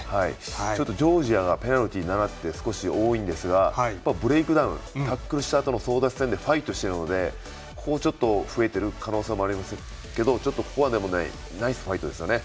ちょっとジョージアがペナルティ少し多いんですがブレイクダウンタックルしたあとの争奪戦でファイトしてるのでここをちょっと増えている可能性もありますけどここはナイスファイトですよね。